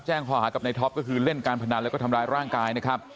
แจ้งขตวกับนายท็อปก็คือเล่นการพนันแล้วทำลายร่างกายนะครับ